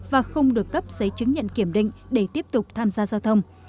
và không được cấp giấy chứng nhận kiểm định để tiếp tục tham gia giao thông